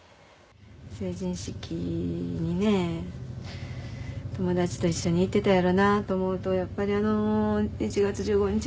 成人式にね友達と一緒に行ってたやろなと思うとやっぱりあの。